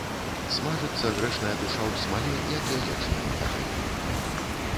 Смажыцца грэшная душа ў смале, як яечня на патэльні.